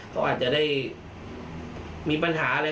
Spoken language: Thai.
เขาอาจจะได้มีปัญหาอะไร